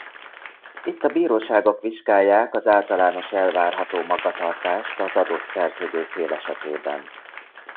Itt a bíróságok vizsgálják az általános elvárható magatartást az adott szerződő fél esetében.